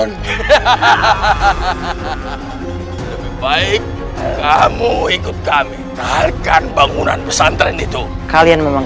hai baik kamu ikut kami menghalangkan bangunan pesantren itu kalian memang